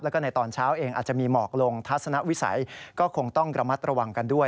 แล้วก็ในตอนเช้าเองอาจจะมีหมอกลงทัศนวิสัยก็คงต้องระมัดระวังกันด้วย